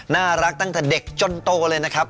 ตั้งแต่เด็กจนโตเลยนะครับ